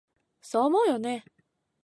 そう思うよね？